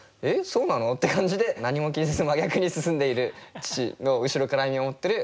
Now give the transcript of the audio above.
そうなの？」って感じで何も気にせず真逆に進んでいる父の後ろから見守ってる